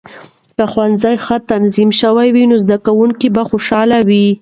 که ښوونځي ښه تنظیم شوي وي، نو زده کونکې به خوشاله وي.